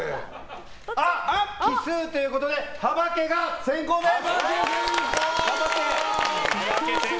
奇数ということで幅家が先攻です。